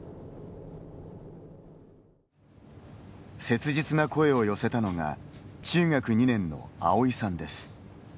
切実な声を寄せたのが中学２年の葵さんです。